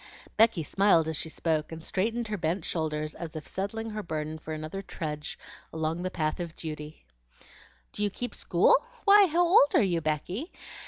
Becky smiled as she spoke, and straightened her bent shoulders as if settling her burden for another trudge along the path of duty. "Do you keep school? Why, how old are you, Becky?"